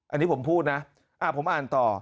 อันนี้ผมพูดนะผมอ่านต่อ